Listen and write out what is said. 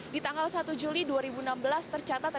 di tanggal satu juli dua ribu enam belas tercatat